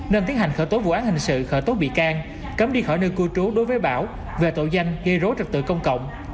nên tiến hành khởi tố vụ án hình sự khởi tố bị can cấm đi khỏi nơi cư trú đối với bảo về tội danh gây rối trật tự công cộng